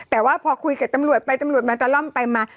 ตำรวจไปตำรวจมาตะล่อมไปมา